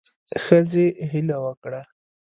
ښځې هیله وکړه